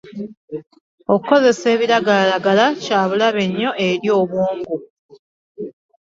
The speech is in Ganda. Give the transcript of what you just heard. Okukozesa ebiragalalagala kya bulabe nnyo eri obwongo.